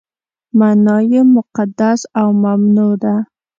معنا یې مقدس او ممنوع ده.